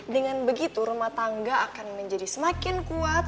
dengan begitu rumah tangga akan menjadi semakin kuat